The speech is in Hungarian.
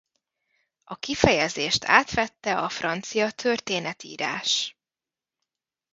A kifejezést átvette a francia történetírás.